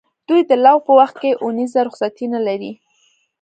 دوی د لو په وخت کې اونیزه رخصتي نه لري.